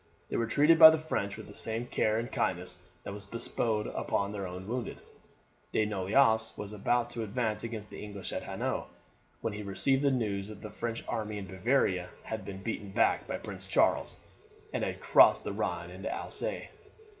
They were treated by the French with the same care and kindness that was bestowed upon their own wounded. De Noailles was about to advance against the English at Hanau, when he received the news that the French army in Bavaria had been beaten back by Prince Charles, and had crossed the Rhine into Alsace.